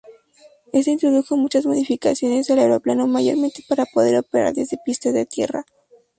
Este introdujo muchas modificaciones al aeroplano, mayormente para poder operar desde pistas de tierra.